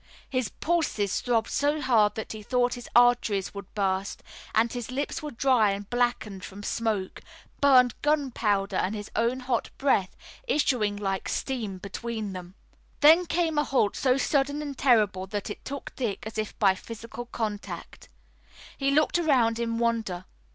His pulses throbbed so hard that he thought his arteries would burst, and his lips were dry and blackened from smoke, burned gunpowder and his own hot breath issuing like steam between them. Then came a halt so sudden and terrible that it shook Dick as if by physical contact. He looked around in wonder.